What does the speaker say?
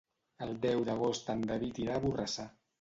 El deu d'agost en David irà a Borrassà.